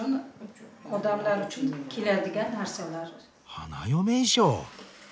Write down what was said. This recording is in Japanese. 花嫁衣装。